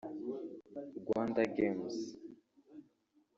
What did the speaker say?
Rwanda Games